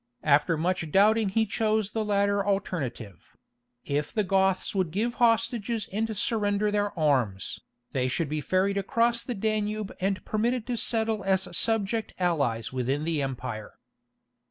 After much doubting he chose the latter alternative: if the Goths would give hostages and surrender their arms, they should be ferried across the Danube and permitted to settle as subject allies within the empire.